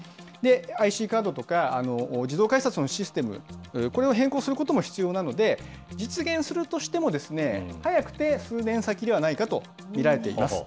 ＩＣカードとか、自動改札のシステム、これを変更することも必要なので、実現するとしても、早くて数年先ではないかと見られています。